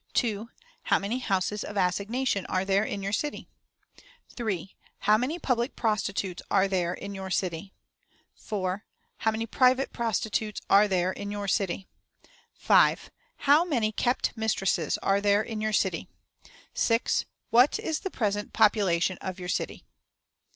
"2. How many houses of assignation are there in your city? "3. How many public prostitutes are there in your city? "4. How many private prostitutes are there in your city? "5. How many kept mistresses are there in your city? "6. What is the present population of your city?